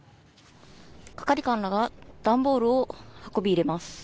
係官らが段ボールを運び入れます。